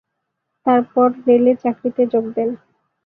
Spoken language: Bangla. তারপরে রেলের চাকরিতে যোগ দেন।